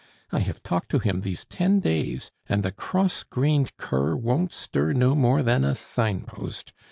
I have talked to him these ten days, and the cross grained cur won't stir no more than a sign post.